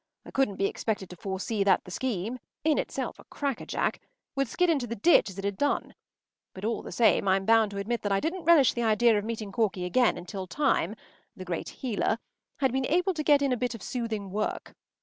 I couldn’t be expected to foresee that the scheme, in itself a cracker jack, would skid into the ditch as it had done; but all the same I’m bound to admit that I didn’t relish the idea of meeting Corky again until time, the great healer, had been able to get in a bit of soothing work.